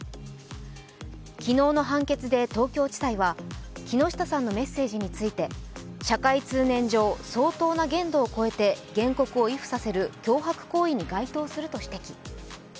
昨日の判決で東京地裁は、木下さんのメッセージについて社会通念上相当な限度を超えて原告を畏怖させる脅迫行為に該当すると指摘。